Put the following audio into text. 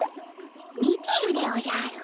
見てるでおじゃる。